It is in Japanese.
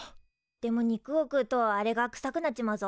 でも肉を食うとあれがくさくなっちまうぞ。